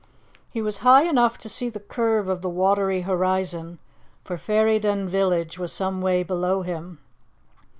He was high enough to see the curve of the watery horizon, for Ferryden village was some way below him.